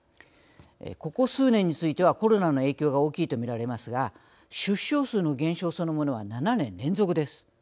ここ数年についてはコロナの影響が大きいと見られますが出生数の減少そのものは７年連続です。